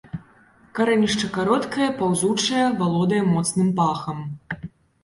Карэнішча кароткае, паўзучае, валодае моцным пахам.